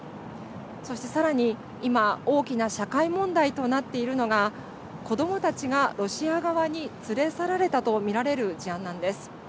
そしてさらに今大きな社会問題となっているのが子どもたちがロシア側に連れ去られたと見られる事案なんです。